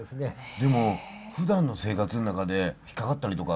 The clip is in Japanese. でもふだんの生活の中で引っ掛かったりとか？